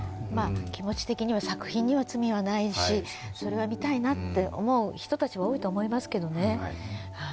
気持ち的には、作品には罪はないし、それは見たいなって思う人たちも多いと思いますけどね。